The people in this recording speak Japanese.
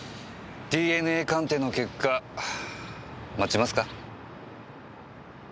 ＤＮＡ鑑定の結果待ちますか？